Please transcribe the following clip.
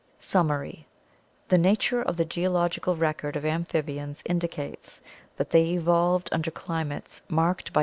Summary. — "The nature of the geologic record of amphibians indicates that they evolved under climates marked by seasonal V